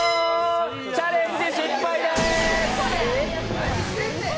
チャレンジ失敗です。